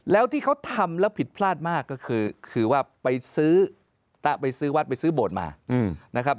แล้วที่เขาทำแล้วผิดพลาดมากก็คือคือว่าไปซื้อตะไปซื้อวัดไปซื้อโบสถ์มานะครับ